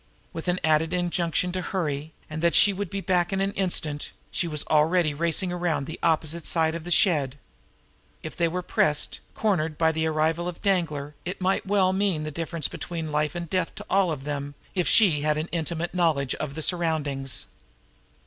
With an added injunction to hurry and that she would be back in an instant, she was already racing around the opposite side of the shed. If they were pressed, cornered, by the arrival of Danglar, it might well mean the difference between life and death to all of them if she had an intimate knowledge of the surroundings.